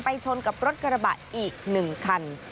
ไปชนกับรถกรบะอีกหนึ่งคัน